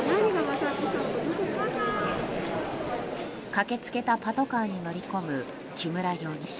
駆けつけたパトカーに乗り込む木村容疑者。